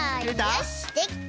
よしできた！